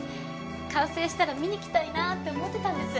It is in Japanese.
完成したら見に来たいなあって思ってたんです